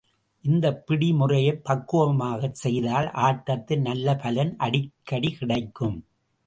இந்தப் பிடி முறையைப் பக்குவமாகச் செய்தால், ஆட்டத்தில் நல்ல பலன் அடிக்கடி கிடைக்கும்.